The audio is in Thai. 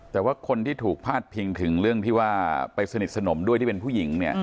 แต่ว่าคนที่ถูกพาดพิงถึงเรื่องที่ว่าไปสนิทสนมด้วยที่เป็นผู้หญิงเนี่ย